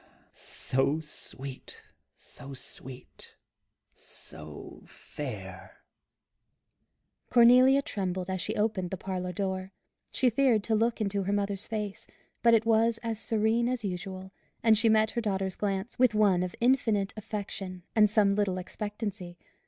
so sweet! so sweet! so fair!" Cornelia trembled as she opened the parlour door, she feared to look into her mother's face, but it was as serene as usual, and she met her daughter's glance with one of infinite affection and some little expectancy.